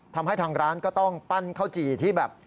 ทางร้านก็ต้องปั้นข้าวจี่ที่แบบ